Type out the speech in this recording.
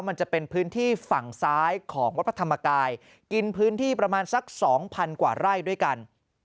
มันจะเป็นพื้นที่ฝั่งซ้ายของวัดพระธรรมกายกินพื้นที่ประมาณสักสองพันกว่าไร่ด้วยกัน